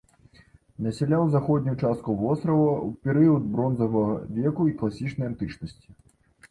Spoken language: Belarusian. Насяляў заходнюю частку вострава ў перыяд бронзавага веку і класічнай антычнасці.